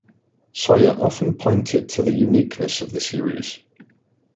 Sawyer often pointed to the uniqueness of the series.